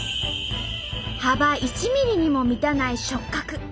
幅１ｍｍにも満たない触角。